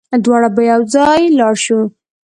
دواړه به يوځای لاړ شو